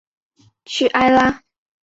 屈埃拉。